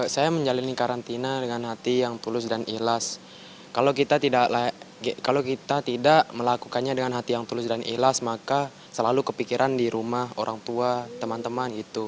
saya menjalani karantina dengan hati yang tulus dan ikhlas kalau kita tidak melakukannya dengan hati yang tulus dan ikhlas maka selalu kepikiran di rumah orang tua teman teman itu